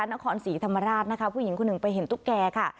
นครศรีธรรมราชนะคะผู้หญิงคนหนึ่งไปเห็นตุ๊กแก่ค่ะ